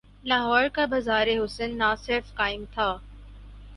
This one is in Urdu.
لاہور کا بازار حسن نہ صرف قائم تھا۔